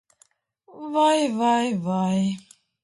Vai, vai, vai!